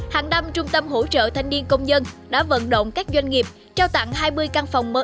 hàng năm trung tâm hỗ trợ thanh niên công dân đã vận động các doanh nghiệp trao tặng hai mươi căn phòng mơ ước